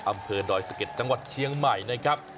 อำเภอดอยสะเก็ดจังหวัดเชียงใหม่นะครับ